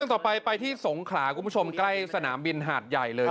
ต่อไปไปที่สงขลาคุณผู้ชมใกล้สนามบินหาดใหญ่เลย